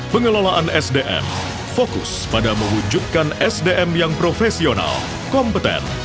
pengelolaan sdm fokus pada mewujudkan sdm yang profesional kompeten